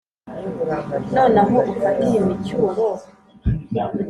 none aho ufatiye imicyuro